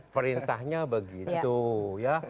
perintahnya begitu ya